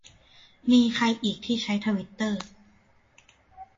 มีใครอีกที่ใช้ทวิตเตอร์